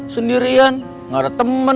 sendirian gak ada temen